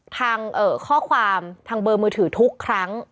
ทางข้อความทางเบอร์มือถือทุกครั้ง